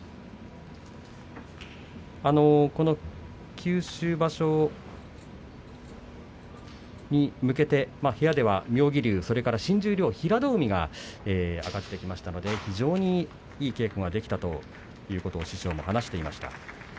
九州場所に向けて、部屋では妙義龍そして新十両平戸海が上がってきましたので非常にいい稽古ができたということを師匠は話していました。